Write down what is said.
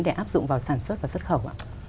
để áp dụng vào sản xuất và xuất khẩu